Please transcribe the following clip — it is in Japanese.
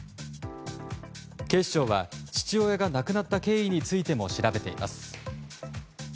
警視庁は、父親が亡くなった経緯についても調べています。